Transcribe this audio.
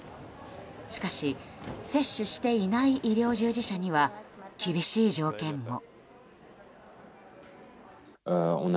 しかし接種していない医療従事者には厳しい条件も。